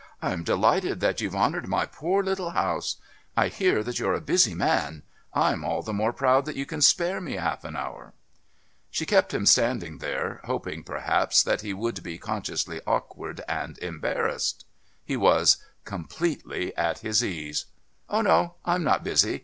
I'm delighted that you've honoured my poor little house. I hear that you're a busy man. I'm all the more proud that you can spare me half an hour." She kept him standing there, hoping, perhaps, that he would be consciously awkward and embarrassed. He was completely at his ease. "Oh, no, I'm not busy.